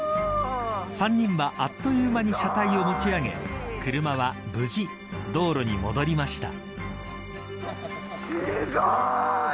３人はあっという間に車体を持ち上げ車は無事、道路に戻りました。